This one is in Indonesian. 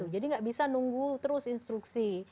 jadi nggak bisa nunggu terus instruksi